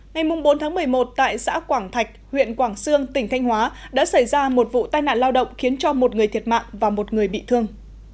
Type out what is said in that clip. ngày bốn một mươi một tại xã quảng thạch huyện quảng sương tỉnh thanh hóa đã xảy ra một vụ tai nạn lao động khiến cho một người thiệt mạng và một người bị thương